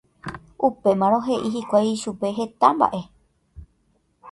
Upémarõ he'i hikuái chupe heta mba'e